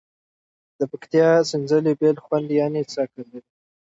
د پکتیکا سینځلي بیل خوند یعني څکه لري.